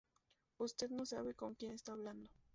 Usted no sabe con quién está hablando